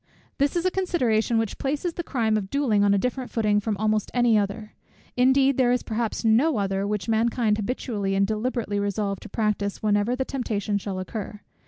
This is a consideration which places the crime of duelling on a different footing from almost any other; indeed there is perhaps NO other, which mankind habitually and deliberately resolve to practise whenever the temptation shall occur.